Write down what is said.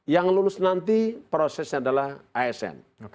yang lulus nanti prosesnya adalah asn